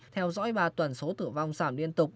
theo dõi ba tuần số tử vong giảm liên tục